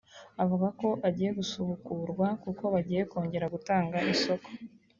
Avuga ko ugiye gusubukurwa kuko bagiye kongera gutanga isoko